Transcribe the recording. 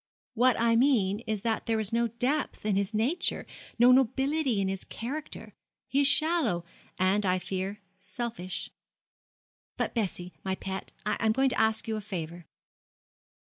'What I mean is that there is no depth in his nature, no nobility in his character. He is shallow, and, I fear, selfish. But, Bessie, my pet, I am going to ask you a favour.'